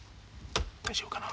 大丈夫かな？